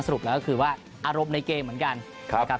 รุปแล้วก็คือว่าอารมณ์ในเกมเหมือนกันนะครับ